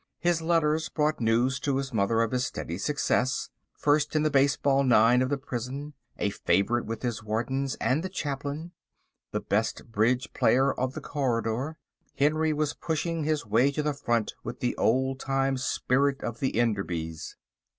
His letters brought news to his mother of his steady success; first in the baseball nine of the prison, a favourite with his wardens and the chaplain, the best bridge player of the corridor. Henry was pushing his way to the front with the old time spirit of the Enderbys.